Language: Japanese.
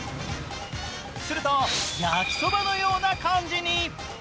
すると焼きそばのような感じに。